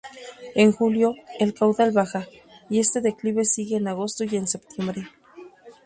En julio, el caudal baja, y este declive sigue en agosto y en septiembre.